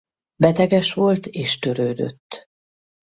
Beteges volt és törődött.